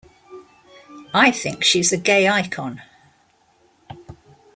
I think she's a gay icon.